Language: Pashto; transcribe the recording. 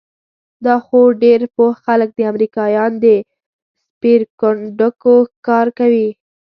دا خو ډېر پوه خلک دي، امریکایان د سپېرکونډکو ښکار کوي؟